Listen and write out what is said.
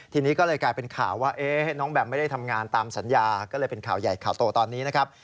ทีนี้ก็เลยกลายเป็นข่าวว่าน้องแบมไม่ได้ทำงานตามสัญญาก็เลยเป็นข่าวใหญ่ข่าวโตตอนนี้นะครับ